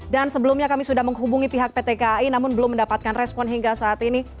dan sebelumnya kami sudah menghubungi pihak pt kai namun belum mendapatkan respon hingga saat ini